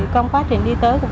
còn quá trình đi tới